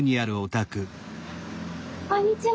こんにちは。